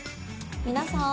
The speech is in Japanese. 「皆さん！」